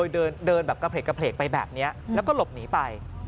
เดินแบบกระเพลกไปแบบนี้แล้วก็หลบหนีไป